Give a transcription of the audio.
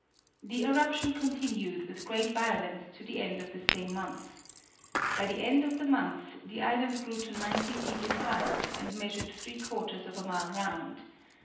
The eruption continued with great violence to the end of the same month. By the end of the month the island grew to ninety feet in height, and measured three quarters of a mile round.